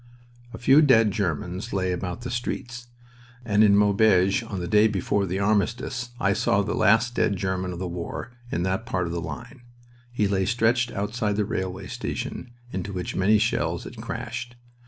A few dead Germans lay about the streets, and in Maubeuge on the day before the armistice I saw the last dead German of the war in that part of the line. He lay stretched outside the railway station into which many shells had crashed.